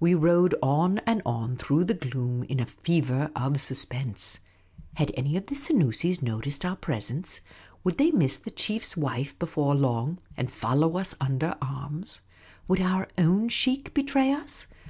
We rode on and on through the gloom in a fever of suspen.se. Had any of the Senoosis noticed our presence ? Would they miss the chief's wife before long, and follow us under arms ? Would our own sheikh betray us